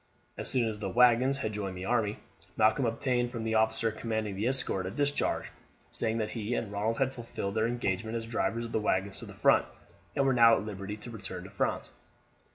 As soon as the waggons had joined the army, Malcolm obtained from the officer commanding the escort a discharge, saying that he and Ronald had fulfilled their engagement as drivers with the waggons to the front, and were now at liberty to return to France.